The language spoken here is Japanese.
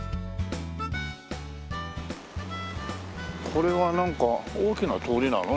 これはなんか大きな通りなの？